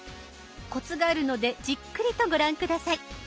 コツがあるのでじっくりとご覧下さい。